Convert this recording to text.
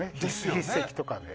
筆跡とかで。